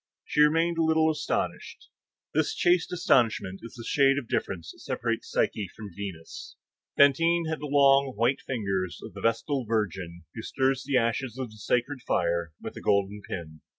She remained a little astonished. This chaste astonishment is the shade of difference which separates Psyche from Venus. Fantine had the long, white, fine fingers of the vestal virgin who stirs the ashes of the sacred fire with a golden pin.